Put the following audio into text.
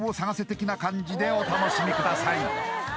的な感じでお楽しみください